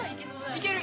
いける。